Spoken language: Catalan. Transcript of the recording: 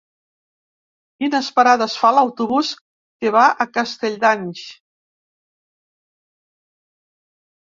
Quines parades fa l'autobús que va a Castelldans?